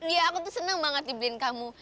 iya aku tuh seneng banget dibeliin kamu